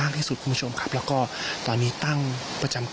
และก็คือว่าถึงแม้วันนี้จะพบรอยเท้าเสียแป้งจริงไหม